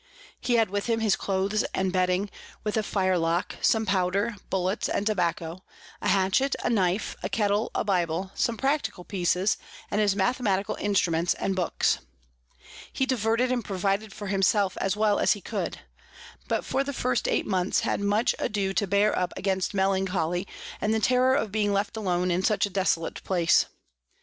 _] He had with him his Clothes and Bedding, with a Firelock, some Powder, Bullets, and Tobacco, a Hatchet, a Knife, a Kettle, a Bible, some practical Pieces, and his Mathematical Instruments and Books. He diverted and provided for himself as well as he could; but for the first eight months had much ado to bear up against Melancholy, and the Terror of being left alone in such a desolate place.